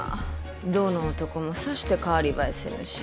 どの男もさして代わり映えせぬし。